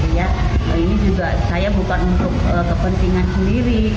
ini juga saya bukan untuk kepentingan sendiri